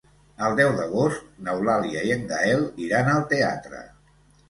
El deu d'agost n'Eulàlia i en Gaël iran al teatre.